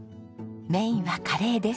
メインはカレーです。